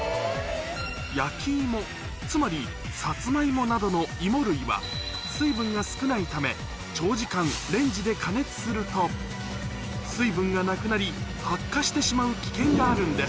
焼き芋、つまりサツマイモなどの芋類は、水分が少ないため、長時間レンジで加熱すると、水分がなくなり、発火してしまう危険があるんです。